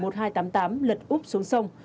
lật úp xuống sông